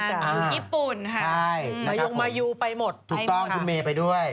ทางญี่ปุ่นค่ะมายุงมายูไปหมดใช่ค่ะถูกต้องคุณเมย์ไปด้วย